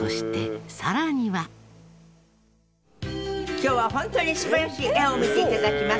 今日は本当に素晴らしい絵を見て頂きます。